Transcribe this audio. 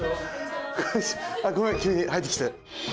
あっごめん急に入ってきて。